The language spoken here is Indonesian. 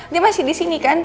dia masih disini kan